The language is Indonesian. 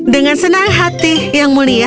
dengan senang hati yang mulia